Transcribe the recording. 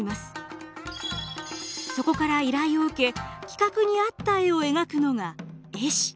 そこから依頼を受け企画に合った絵を描くのが絵師。